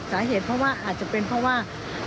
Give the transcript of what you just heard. สาเหตุอาจจะเป็นเพราะว่า